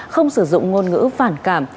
không sử dụng ngôn ngữ phản cảm